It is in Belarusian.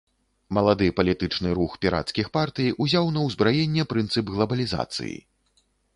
Малады палітычны рух пірацкіх партый узяў на ўзбраенне прынцып глабалізацыі.